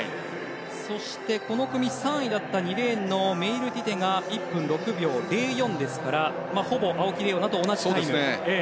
そして、この組３位だった２レーンのメイルティテが１分６秒０４ですからほぼ青木玲緒樹と同じタイム。